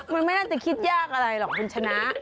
มันไม่น่าจะคิดยากอะไรหรอกคุณชนะ